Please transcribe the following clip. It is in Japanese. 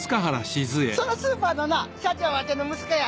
そのスーパーの社長わての息子や。